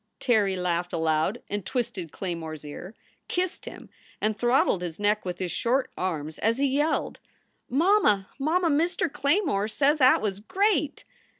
Terry laughed aloud and twisted Claymore s ear, kissed him, and throttled his neck with his short arms as he yelled: "Mamma! Mamma! Mister Claymore says at was great!"